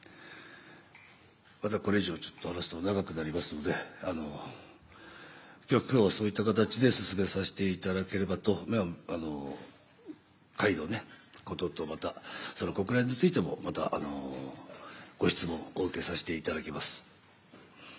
これ以上話すと長くなりますので、今日はそういった形で進めさせていただければと会のことと、国連についてもまたご質問をお受けさせていただきます。